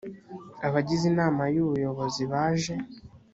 abagize inama y ubuyobozi baje